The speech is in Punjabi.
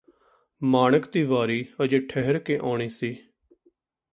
ਮਾਣਕ ਦੀ ਵਾਰੀ ਅਜੇ ਠਹਿਰ ਕੇ ਆਉਣੀ ਸੀ